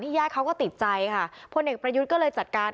ญาติเขาก็ติดใจค่ะพลเอกประยุทธ์ก็เลยจัดการ